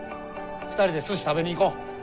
２人ですし食べに行こう。